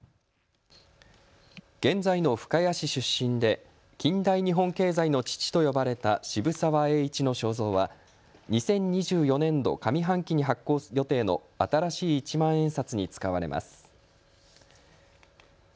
現在の深谷市出身で近代日本経済の父と呼ばれた渋沢栄一の肖像は２０２４年度上半期に発行予定の新しい一万円札に使われます。